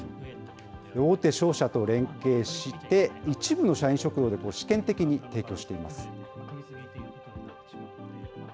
大手商社と連携して、一部の社員食堂で試験的に提供しています。